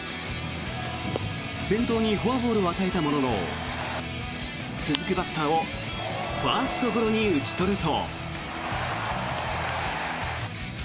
先頭にフォアボールを与えたものの続くバッターをファーストゴロに打ち取ると。